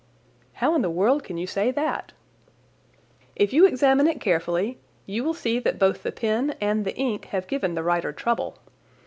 "How in the world can you say that?" "If you examine it carefully you will see that both the pen and the ink have given the writer trouble.